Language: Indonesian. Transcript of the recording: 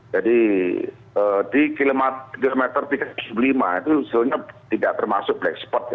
jadi di kilometer tiga puluh lima itu tidak termasuk black spot